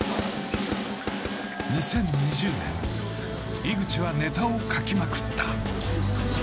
２０２０年井口はネタを書きまくった。